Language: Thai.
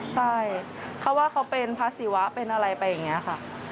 ใช่เขาว่าเขาเป็นพระศิวะเป็นอะไรไปอย่างนี้ค่ะ